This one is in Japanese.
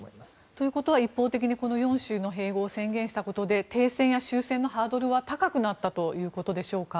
ということは一方的にこの４州の併合を宣言したことで停戦や終戦のハードルは高くなったということでしょうか。